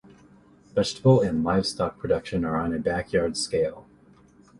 Vegetable and livestock production are on a backyard scale.